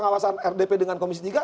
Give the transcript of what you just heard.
pengawasan rdp dengan komisi tiga